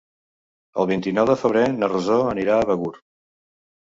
El vint-i-nou de febrer na Rosó anirà a Begur.